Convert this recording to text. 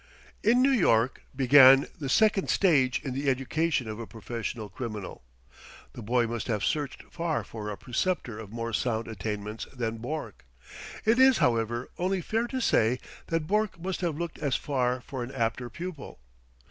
In New York began the second stage in the education of a professional criminal. The boy must have searched far for a preceptor of more sound attainments than Bourke. It is, however, only fair to say that Bourke must have looked as far for an apter pupil.